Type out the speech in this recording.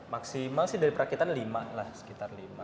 maksimal sih dari perakitan lima lah sekitar lima